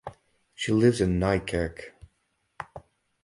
She lives in Nijkerk.